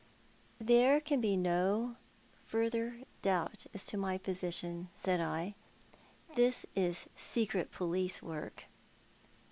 " There can be no further doubt as to my position," said I. " This is secret police work."